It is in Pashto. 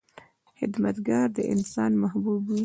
• خدمتګار انسان محبوب وي.